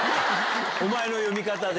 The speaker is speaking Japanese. お前の読み方で。